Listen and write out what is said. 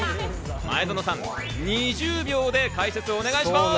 前園さん、２０秒で解説をお願いします。